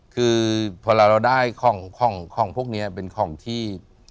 คือพอเราได้ของพวกนี้เป็นของที่